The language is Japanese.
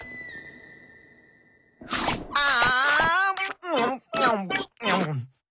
あん。